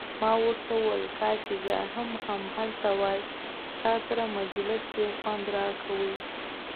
ما ورته وویل: کاشکي زه هم هلته وای، ستا سره مجلس ډیر خوند راکوي.